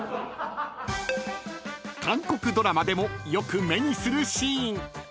［韓国ドラマでもよく目にするシーン］